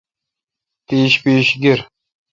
پیݭ پیݭ گیر۔